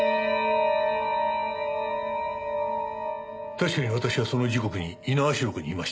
確かに私はその時刻に猪苗代湖にいました。